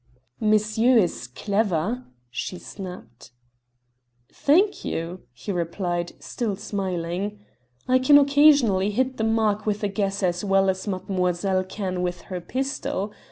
"Monsieur is clever," she snapped. "Thank you," he replied, still smiling. "I can occasionally hit the mark with a guess as well as mademoiselle can with her pistol.